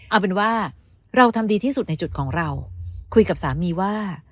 เอาเป็นว่าเราทำดีที่สุดในจุดของเราคุยกับสามีว่า